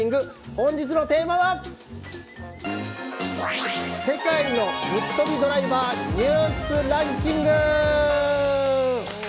本日のテーマは世界のぶっとびドライバーニュースランキング。